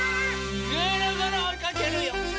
ぐるぐるおいかけるよ！